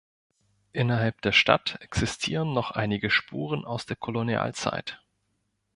Innerhalb der Stadt existieren noch einige Spuren aus der Kolonialzeit.